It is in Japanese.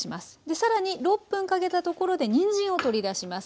さらに６分かけたところでにんじんを取り出します。